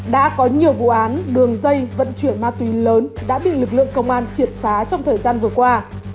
đã có nhiều vụ án đường dây vận chuyển ma túy lớn đã bị lực lượng công an triệt phá trong thời gian vừa qua